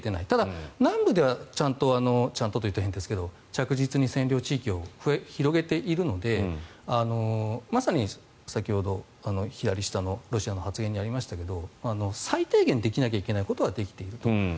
ただ、南部ではちゃんとちゃんとというと変ですが着実に占領地域を広げているのでまさに先ほど左下のロシアの発言にありましたけど最低限できなきゃいけないことはできていると。